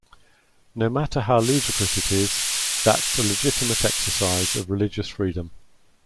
No matter how ludicrous it is, that's a legitimate exercise of religious freedom.